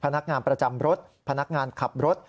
พนักงานประจำรถพนักงานขับรถ